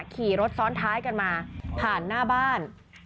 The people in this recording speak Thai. ขี่รถซ้อนท้ายกันมาผ่านหน้าบ้าน